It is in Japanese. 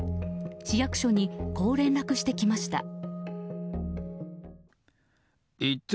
市役所に、こう連絡してきました。